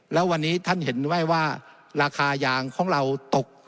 แล้ววันนี้ท่านเห็นไว้ว่าราคายางของเราตก